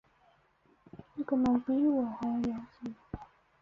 那个人比我还瞭解我